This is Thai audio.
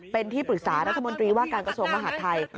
เป็นที่ปรึกษารัฐมนตรีว่าการกระทรวงมหาดไทย